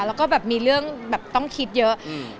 แล้วก็แบบมีเรื่องแบบต้องคิดเยอะ